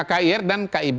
kkir dan kib